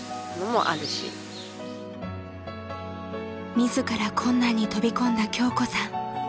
［自ら困難に飛び込んだ京子さん］